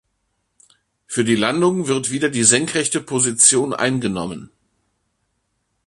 Für die Landung wird wieder die senkrechte Position eingenommen.